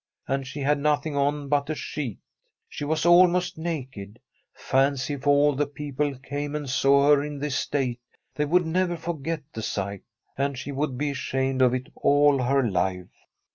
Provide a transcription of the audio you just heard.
And she had nothing on but a sheet! She was almost naked. Fancy, if all these people came and saw her in this state! They would never forget the sight. And she would be ashamed of it all her life.